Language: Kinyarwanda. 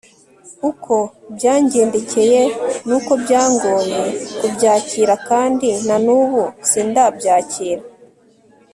uko byangendekeye nuko byangoye kubyakira kandi nanubu sindabyakira